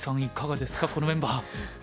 いかがですかこのメンバー。